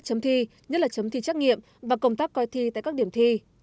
chấm thi nhất là chấm thi trắc nghiệm và công tác coi thi tại các điểm thi